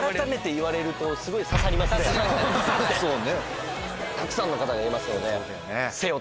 そうね。